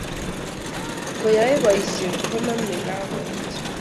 koyoe boisie koname kokaech